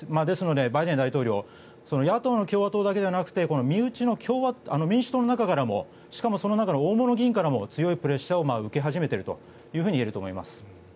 ですのでバイデン大統領野党の共和党だけではなくて民主党の中からもしかもその中の大物議員からも強いプレッシャーを受け始めているといえると思います。